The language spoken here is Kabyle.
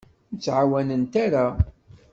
Ur ttɛawanent ara.